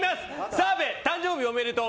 澤部誕生日おめでとう！